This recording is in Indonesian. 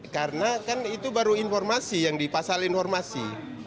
karena kan itu baru informasi yang dipasal informasi